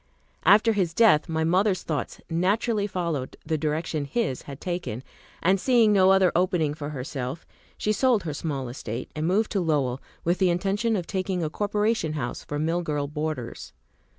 After his death, my mother's thoughts naturally followed the direction his had taken; and seeing no other opening for herself, she sold her small estate, and moved to Lowell, with the intention of taking a corporation house for mill girl boarders.